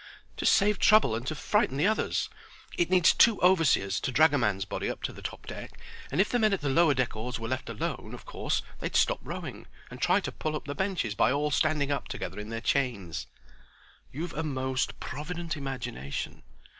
"To save trouble and to frighten the others. It needs two overseers to drag a man's body up to the top deck; and if the men at the lower deck oars were left alone, of course they'd stop rowing and try to pull up the benches by all standing up together in their chains." "You've a most provident imagination.